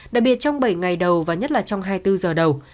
đặc biệt trong bảy ngày đầu và nhất là trong hai mươi bốn giờ đầu